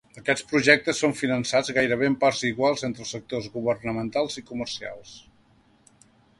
Aquests projectes són finançats gairebé en parts iguals entre els sectors governamentals i comercials.